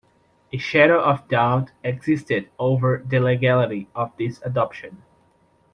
A shadow of doubt existed over the legality of this adoption.